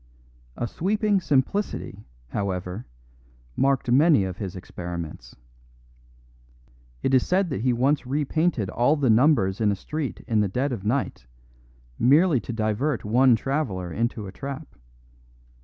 A sweeping simplicity, however, marked many of his experiments. It is said that he once repainted all the numbers in a street in the dead of night merely to divert one traveller into a trap.